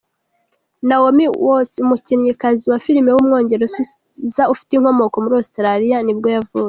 Naomi Watts, umukinnyikazi wa film w’umwongereza ufite inkomoko muri Australia ni bwo yavutse.